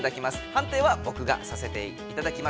判定はぼくがさせていただきます。